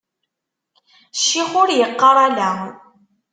Ccix ur iqqaṛ: ala.